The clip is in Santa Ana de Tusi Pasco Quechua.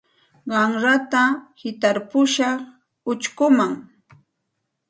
Qanrata hitarpushaq uchkuman.